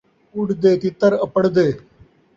اُݙدے تتر اپڑدے